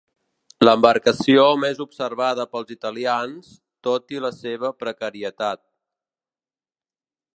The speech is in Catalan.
L'embarcació més observada pels italians, tot i la seva precarietat.